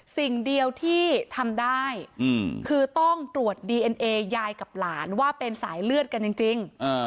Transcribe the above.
สิ่งเดียวที่ทำได้คือต้องตรวจดีเอ็นเอยายกับหลานว่าเป็นสายเลือดกันจริง